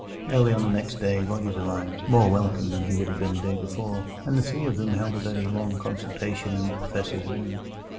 Early on the next day Rogers arrived, more welcome than he would have been a day before, and the three of them held a very long consultation in the Professor's room.